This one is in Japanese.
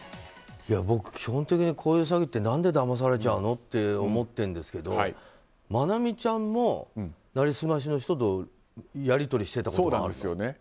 僕、基本的にこういう詐欺って何でだまされちゃうの？って思ってるんですけどマナミちゃんも成り済ましの人とやり取りしてたこともあると。